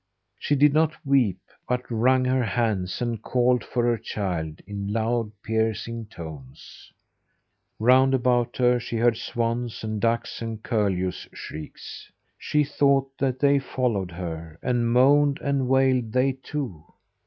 She did not weep, but wrung her hands and called for her child in loud piercing tones. Round about her she heard swans' and ducks' and curlews' shrieks. She thought that they followed her, and moaned and wailed they too.